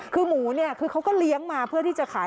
คือหมูเนี่ยคือเขาก็เลี้ยงมาเพื่อที่จะขาย